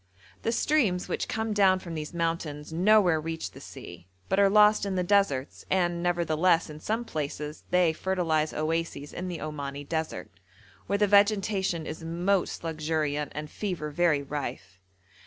The streams which come down from these mountains nowhere reach the sea, but are lost in the deserts, and, nevertheless, in some places they fertilise oases in the Omani desert, where the vegetation is most luxuriant and fever very rife.